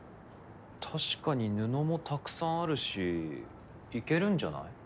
確かに布もたくさんあるしいけるんじゃない？